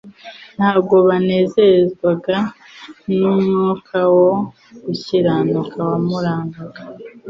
Ntabwo banezezwaga n’umwuka wo gukiranuka wamurangaga